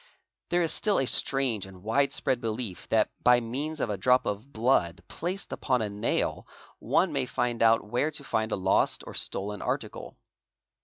There is still a strange and wide spread belief that by means of a drop of blood placed upon a nail one may find out where to find a lost or stolen article.